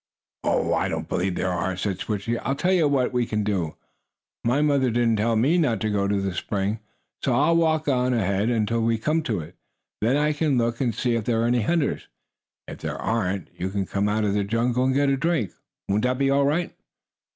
"Oh, I don't believe there are," said Switchie. "I'll tell you what we can do. My mother didn't tell me not to go to the spring, so I'll walk on ahead until we come to it. Then I can look and see if there are any hunters. If there aren't you can come out of the jungle and get a drink. Won't that be all right?"